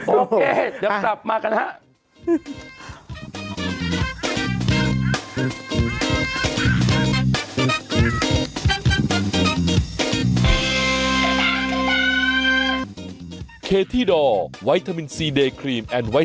โอเคเดี๋ยวกลับมากันฮะ